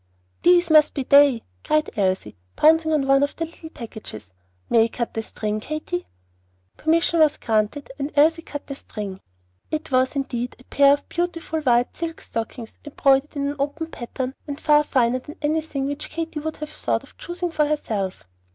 "These must be they," cried Elsie, pouncing on one of the little packages. "May I cut the string, Katy?" Permission was granted; and Elsie cut the string. It was indeed a pair of beautiful white silk stockings embroidered in an open pattern, and far finer than anything which Katy would have thought of choosing for herself.